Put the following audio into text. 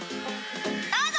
どうぞ！